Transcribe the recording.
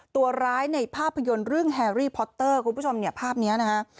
ตัวร้ายในภาพยนตร์เรื่องแฮรี่พอตเตอร์คุณผู้ชมเนี่ยภาพนี้นะฮะ